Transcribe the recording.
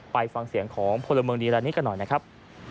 ไปฟังเสียงของพลเมืองดีรายนี้กันหน่อยนะครับ